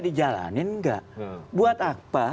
dijalanin gak buat apa